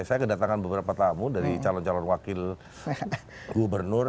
saya kedatangan beberapa tamu dari calon calon wakil gubernur